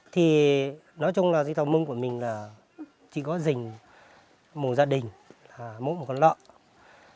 thì nói chung là dịch tàu mông của mình là chỉ có dình một gia đình một con lợn